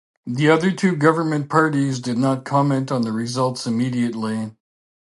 The other two government parties did not comment on the results immediately.